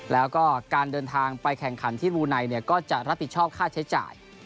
แล้วก็การเดินทางไปแข่งขันที่รูไนก็จะรับผิดชอบค่าใช้จ่าย